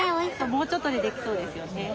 もうちょっとでできそうですよね。